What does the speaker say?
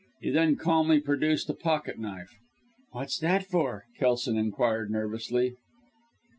He then calmly produced a pocket knife. "What's that for?" Kelson inquired nervously.